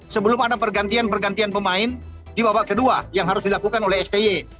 sebelum ada pergantian pergantian pemain di babak kedua yang harus dilakukan oleh sti